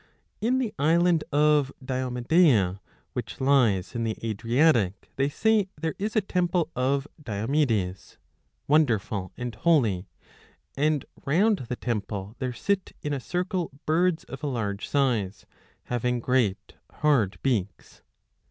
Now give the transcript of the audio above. In the island of Diomedeia, which lies in the Adriatic, 79 they say there is a temple of Diomedes, wonderful and holy, and round the temple there sit in a circle birds of Jo a large size, having great hard beaks.